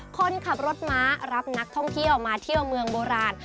คนขับรถม้ารับนักท่องเที่ยวมาเที่ยวเมืองโบราณ